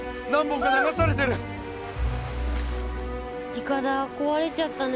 いかだ壊れちゃったね。